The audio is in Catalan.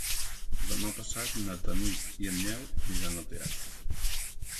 Demà passat na Tanit i en Nel aniran al teatre.